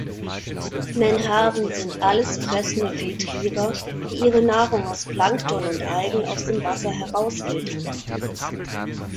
Menhaden sind alles fressende Filtrierer, die ihre Nahrung aus Plankton und Algen aus dem Waser herausfiltern.